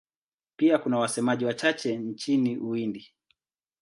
Pia kuna wasemaji wachache nchini Uhindi.